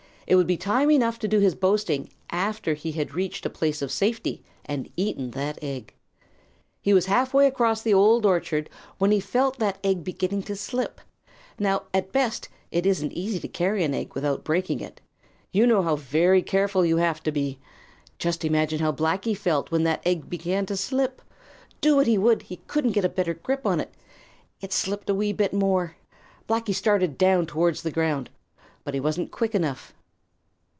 It would be time enough to do his boasting after he had reached a place of safety and had eaten that egg. He was halfway across the Old Orchard when he felt that egg beginning to slip. Now at best it isn't easy to carry an egg without breaking it. You know how very careful you have to be. Just imagine how Blacky felt when that egg began to slip. Do what he would, he couldn't get a better grip on it. It slipped a wee bit more. Blacky started down towards the ground. But he wasn't quick enough.